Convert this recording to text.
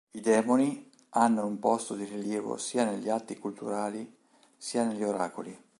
I dèmoni hanno un posto di rilievo sia negli atti cultuali sia negli oracoli.